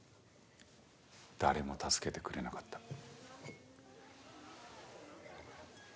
誰も助けてくれなかった